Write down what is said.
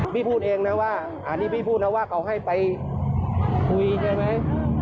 พูดเองนะว่าอันนี้พี่พูดนะว่าเขาให้ไปคุยใช่ไหม